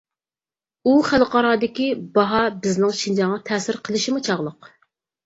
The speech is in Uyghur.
ئۇ خەلقئارادىكى باھا بىزنىڭ شىنجاڭغا تەسىر قىلىشىمۇ چاغلىق.